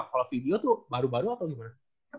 kalau video tuh baru baru atau gimana